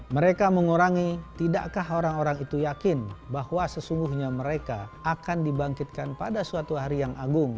mereka mengurangi tidakkah orang orang itu yakin bahwa sesungguhnya mereka akan dibangkitkan pada suatu hari yang agung